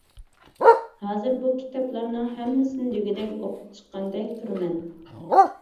ھازىر بۇ كىتابلارنىڭ ھەممىسىنى دېگۈدەك ئوقۇپ چىققاندەك تۇرىمەن.